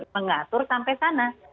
mengatur sampai sana